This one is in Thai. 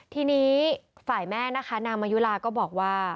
ทีนี้ฝ่ายแม่นะคะนางมายุลาก็บอกว่า